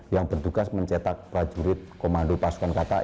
yang bertugas mencetak prajurit komando pasukan kta